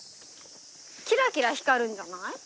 キラキラ光るんじゃない？